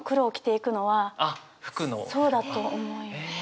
そうだと思います。